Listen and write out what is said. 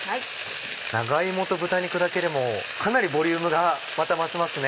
長芋と豚肉だけでもかなりボリュームが増しますね。